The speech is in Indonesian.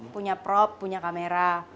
punya prop punya kamera